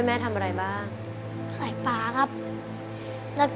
แล้วก็ไปหาถั่งตู้เย็นมือส